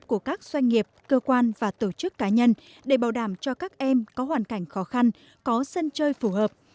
của các doanh nghiệp cơ quan và tổ chức cá nhân để bảo đảm cho các em có hoàn cảnh khó khăn có sân chơi phù hợp